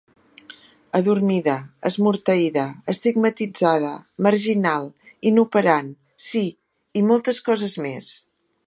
Adormida, esmorteïda, estigmatitzada, marginal, inoperant; sí, i moltes coses més.